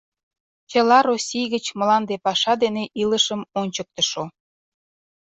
ЧЫЛА РОССИЙ ГЫЧ МЛАНДЕ ПАША ДЕНЕ ИЛЫШЫМ ОНЧЫКТЫШО